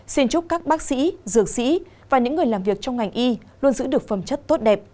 xin chúc các bác sĩ dược sĩ và những người làm việc trong ngành y luôn giữ được phẩm chất tốt đẹp